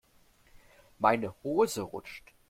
Meine Hose rutscht.